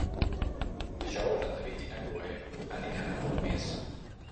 Dijous en David i na Cloè aniran a Colomers.